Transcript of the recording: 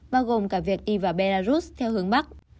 bao gồm cả việc đi vào belarus theo hướng bắc